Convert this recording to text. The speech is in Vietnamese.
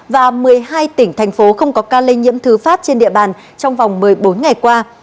và một mươi hai tỉnh thành phố không có ca lây nhiễm thứ phát trên địa bàn trong vòng một mươi bốn ngày qua